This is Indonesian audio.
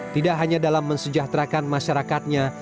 tidak hanya dalam mensejahterakan masyarakatnya